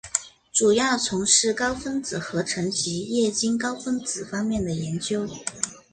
主要从事高分子合成及液晶高分子方面的研究。